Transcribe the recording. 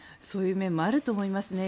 そういう面もあると思います。